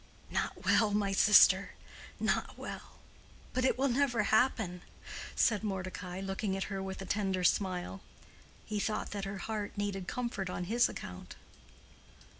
"Not well, my sister—not well; but it will never happen," said Mordecai, looking at her with a tender smile. He thought that her heart needed comfort on his account.